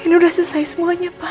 ini sudah selesai semuanya pak